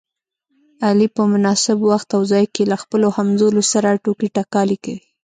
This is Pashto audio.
علي په مناسب وخت او ځای کې له خپلو همځولو سره ټوکې ټکالې کوي.